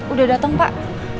udah dateng pak